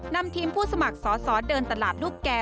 นำทีมผู้สมัครสอสอเดินตลาดลูกแก่